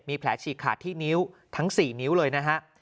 มีแผลฉีกขาดที่นิ้วทั้ง๔นิ้วเลยนะฮะ